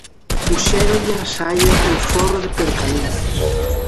Puxéronlle á saia un forro de percalina.